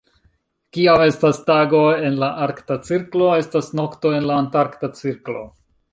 Kiam estas tago en la Arkta Cirklo estas nokto en la Antarkta Cirklo.